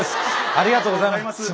ありがとうございます。